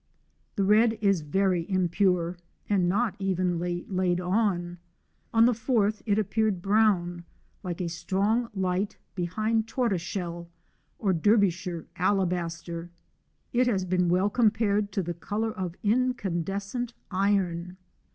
The red is very impure, and not evenly laid on. On the 4th it appeared brown, like a strong light behind tortoiseshell, or Derbyshire alabaster. It has been well compared to the colour of incandescent iron.